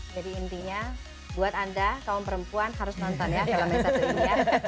jadi intinya buat anda kaum perempuan harus nonton ya film ini